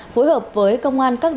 phối hợp với công an các điểm an tiện